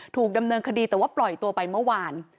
ถูกดำเนินคดีแต่ว่าปล่อยตัวไปเมื่อวาน